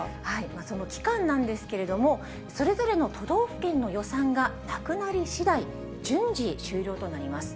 その期間なんですけれども、それぞれの都道府県の予算がなくなりしだい、順次終了となります。